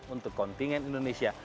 untuk kontingen indonesia